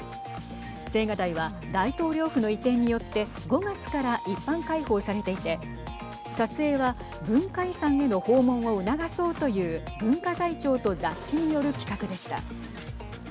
青瓦台は大統領府の移転によって５月から一般開放されていて撮影は文化遺産への訪問を促そうという文化財庁と雑誌による企画でした。